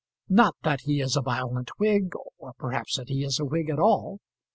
Not that he is a violent Whig, or perhaps that he is a Whig at all.